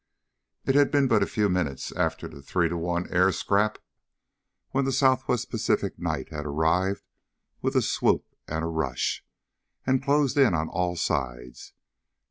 It had been but a few minutes after the three to one air scrap when the Southwest Pacific night had arrived with a swoop and a rush, and closed in on all sides.